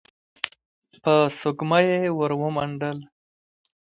په سږمه يې ور ومنډل.